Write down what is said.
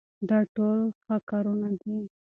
دا ټول ښه کارونه دي.